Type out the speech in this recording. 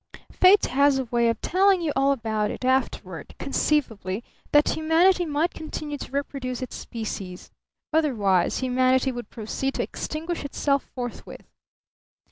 Fate has a way of telling you all about it afterward; conceivably, that humanity might continue to reproduce its species. Otherwise humanity would proceed to extinguish itself forthwith.